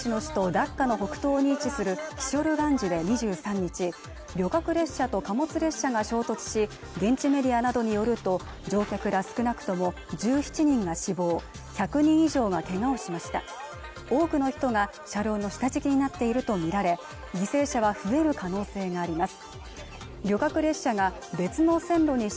ダッカの北東に位置するキショルガンジで２３日旅客列車と貨物列車が衝突し現地メディアなどによると乗客ら少なくとも１７人が死亡１００人以上がけがをしました多くの人が車両の下敷きになっていると見られ犠牲者は増える可能性があります